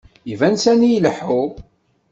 Iban sani ileḥḥu..